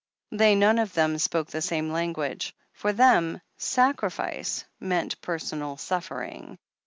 They none of them spoke the same language. For them "sacrifice" meant personal suffering.